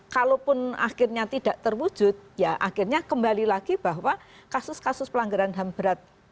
kalaupun akhirnya tidak terwujud ya akhirnya kembali lagi bahwa kasus kasus pelanggaran ham berat